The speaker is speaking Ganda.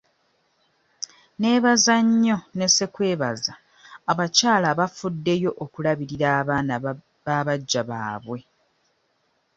Neebaza nnyo ne ssekwebaza abakyala abafuddeyo okulabirira abaana ba baggya baabwe.